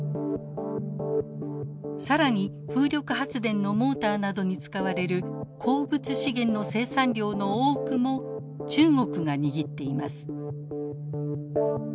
更に風力発電のモーターなどに使われる鉱物資源の生産量の多くも中国が握っています。